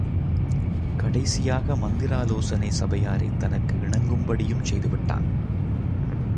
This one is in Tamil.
கடைசியாக மந்திராலோசனை சபையாரைத் தனக்கு இணங்கும்படியும் செய்துவிட்டான்.